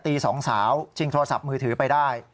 ตี๒สาวชิงโทรศัพท์มือถือไปได้